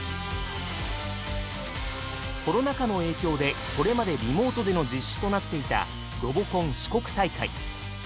コロナ禍の影響でこれまでリモートでの実施となっていたロボコン四国大会。